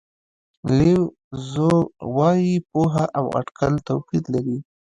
لیو زو وایي پوهه او اټکل توپیر لري.